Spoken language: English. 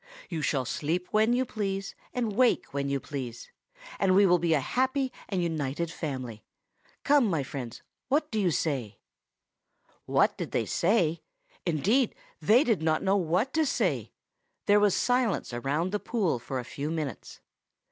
You shall sleep when you please, and wake when you please; and we will be a happy and united family. Come, my friends, what do you say?" "Then the grandmother made a little speech." What did they say? Indeed, they did not know what to say. There was silence around the pool for a few minutes.